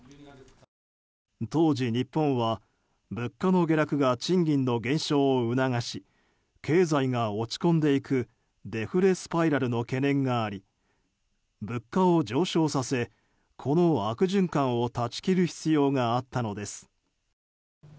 当時、日本は物価の下落が賃金の減少を促し経済が落ち込んでいくデフレスパイラルの懸念があり物価を上昇させ、この悪循環を断ち切る必要があったのです。